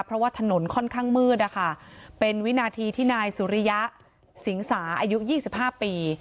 เพราะว่าถนนค่อนข้างมืดนะคะเป็นวินาทีที่นายสุริยะสิงสาอายุ๒๕ปี